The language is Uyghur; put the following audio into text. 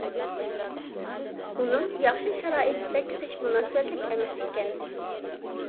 ئۇنىڭ ياخشى شارائىت بەك زىچ مۇناسىۋەتلىك ئەمەس ئىكەن.